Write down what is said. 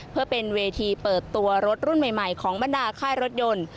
เพื่อเป็นเวทีเปิดตัวรถรุ่นใหม่ของบรรดาค่ายรถยนต์